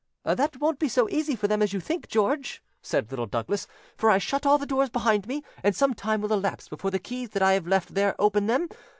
"That won't be so easy for them as you think, George," said Little Douglas; "for I shut all the doors behind me, and some time will elapse before the keys that I have left there open them.